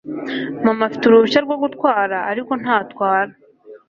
Mama afite uruhushya rwo gutwara ariko ntatwara